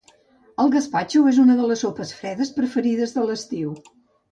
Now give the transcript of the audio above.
El gaspatxo és una de les sopes fredes preferides de l'estiu